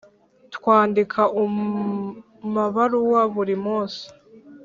twandika umabaruwa buri munsi